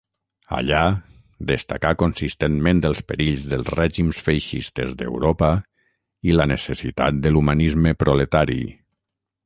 Allà destacà consistentment els perills dels règims feixistes d'Europa i la necessitat de l'humanisme proletari.